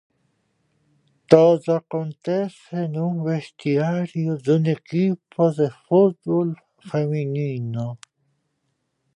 Todo acontece nun vestiario dun equipo de fútbol feminino.